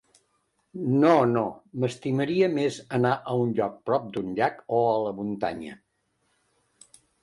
No, no, m'estimaria més anar a un lloc prop d'un llac, o a la muntanya.